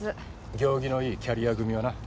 行儀のいいキャリア組はな。